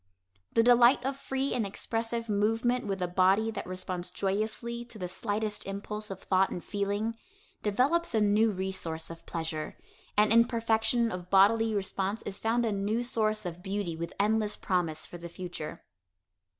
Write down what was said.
The delight of free and expressive movement with a body that responds joyously to the slightest impulse of thought and feeling, develops a new resource of pleasure, and in perfection of bodily response is found a new source of beauty with endless promise for the future.